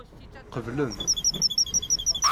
Qeblen.